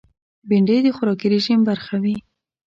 بېنډۍ د خوراکي رژیم برخه وي